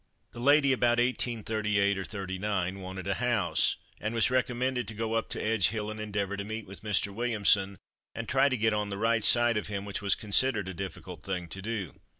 This lady, about 1838 or '39, wanted a house, and was recommended to go up to Edge hill and endeavour to meet with Mr. Williamson and try to get on the right side of him, which was considered a difficult thing to do.